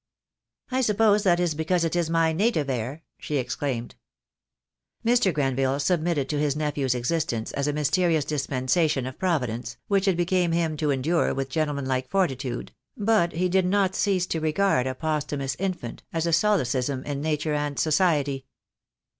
"I suppose that is because it is my native air," she explained. Mr. Grenville submitted to his nephew's existence as a mysterious dispensation of Providence, which it became him to endure with gentleman like fortitude, but he did not cease to regard a posthumous infant as a solecism in nature and society.